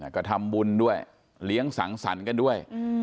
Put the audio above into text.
ก็ทำบุญด้วยเลี้ยงสังสรรค์กันด้วย